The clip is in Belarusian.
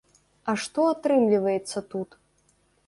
А што атрымліваецца тут?